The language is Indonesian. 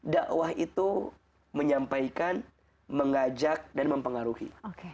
dakwah itu menyampaikan mengajak dan mempengaruhi